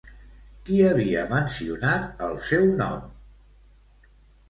Qui havia mencionat el seu nom?